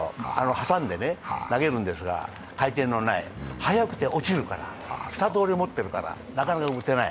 挟んで投げるんですが、回転のない、速くと落ちるから２通り持ってるからなかなか打てない。